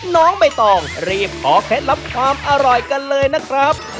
น้องไปต่อรีบออกแค่รับความอร่อยกันเลยนะครับ